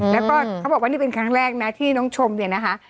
แล้วก็เขาบอกว่านี่เป็นครั้งแรกนะที่น้องชมเนี่ยนะคะ